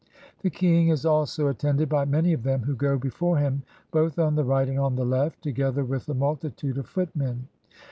The king is also attended by many of them, who go before him, both on the right and on the left, together with a multitude of footmen.